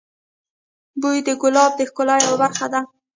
بوی د ګلاب د ښکلا یوه برخه ده.